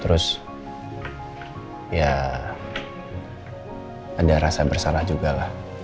terus ya ada rasa bersalah juga lah